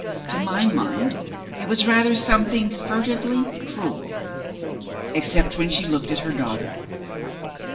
To my mind it was rather something furtively cruel except when she looked at her daughter.